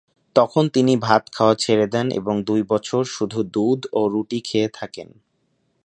তখন তিনি ভাত খাওয়া ছেড়ে দেন এবং দুই বছর শুধু দুধ ও রুটি খেয়ে থাকেন।